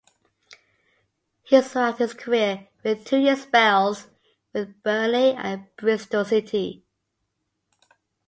He saw out his career with two year spells with Burnley and Bristol City.